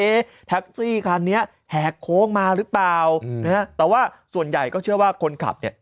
แท็กซี่คันนี้แหกโค้งมาหรือเปล่านะฮะแต่ว่าส่วนใหญ่ก็เชื่อว่าคนขับเนี่ย